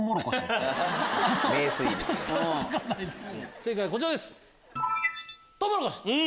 正解はこちらです。